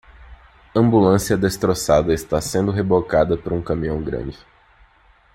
Ambulância destroçada está sendo rebocada por um caminhão grande.